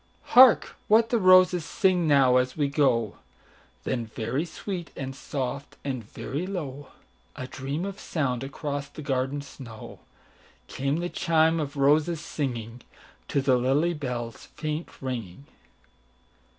"Hark what the roses sing now, as we go;"Then very sweet and soft, and very low,—A dream of sound across the garden snow,—Came the chime of roses singingTo the lily bell's faint ringing.